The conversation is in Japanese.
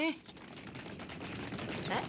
・えっ？